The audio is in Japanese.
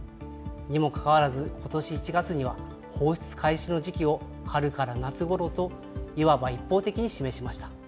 にもかかわらず、ことし１月には、放出開始の時期を春から夏ごろと、いわば一方的に示しました。